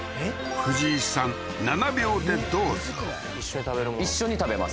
藤井さん７秒でどうぞ一緒に食べるもの一緒に食べます